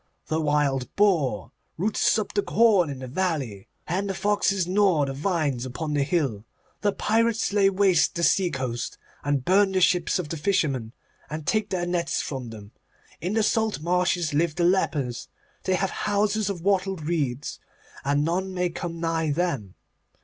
The wild boar roots up the corn in the valley, and the foxes gnaw the vines upon the hill. The pirates lay waste the sea coast and burn the ships of the fishermen, and take their nets from them. In the salt marshes live the lepers; they have houses of wattled reeds, and none may come nigh them.